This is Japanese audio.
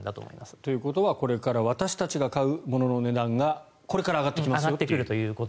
ということはこれから私たちが買うものの値段がこれから上がってきますよと。